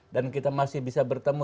dan kita masih bisa bertemu